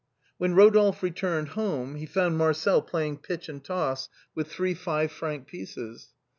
When Rodolphe returned home he found Marcel play ing pitch and toss with three five franc pieces.